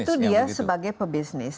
itu dia sebagai pebisnis